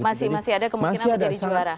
masih ada kemungkinan menjadi juara